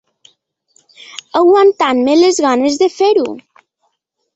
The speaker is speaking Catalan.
Aguantant-me les ganes de fer-ho.